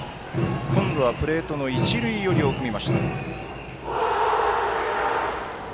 今度はプレートの一塁寄りを踏みました。